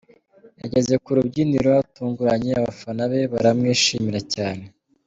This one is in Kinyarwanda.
Yageze ku rubyiniro atunguranye abafana be baramwishimira cyane.